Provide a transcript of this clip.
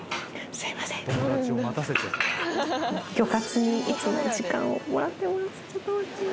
すいません餃活にいつも時間をもらってます